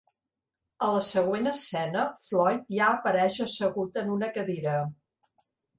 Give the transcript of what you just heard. A la següent escena, Floyd ja apareix assegut en una cadira.